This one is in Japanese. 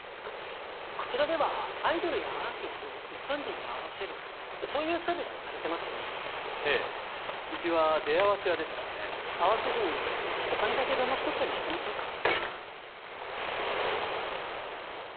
こちらではアイドルやアーティストを一般人に会わせるそういうサービスをされてますよねええうちは出会わせ屋ですからね会わせずにお金だけ騙し取ったりしてませんか？